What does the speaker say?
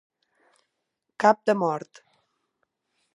Cap de mort.